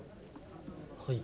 はい。